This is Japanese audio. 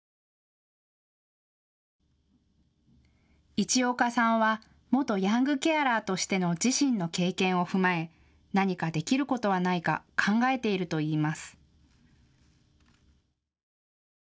市岡さんは元ヤングケアラーとしての自身の経験を踏まえ何かできることはないか考えているといいます。